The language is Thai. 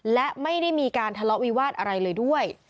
และไม่ได้มีการทะเลาะวิวาสอะไรเลยด้วย